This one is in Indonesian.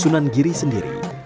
masjid sunan giri